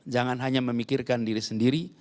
jangan hanya memikirkan diri sendiri